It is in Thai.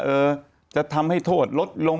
เออจะทำให้โทษลดลง